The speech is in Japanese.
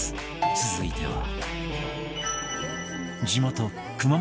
続いては